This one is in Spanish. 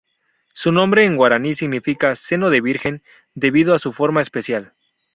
Su nombre, en guaraní, significa ""seno de virgen"", debido a su forma especial.